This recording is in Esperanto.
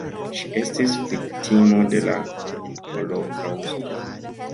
Ŝi estis viktimo de la holokaŭsto.